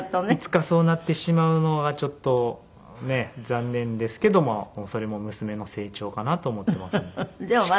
いつかそうなってしまうのがちょっとねえ残念ですけどもそれも娘の成長かなと思ってますね。